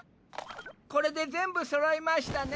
これで全部そろいましたね！